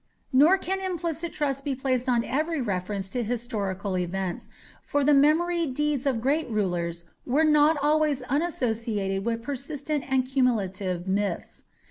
Nor can implicit trust be placed on every reference to historical events, for the memoried deeds of great rulers were not always unassociated with persistent and cumulative myths.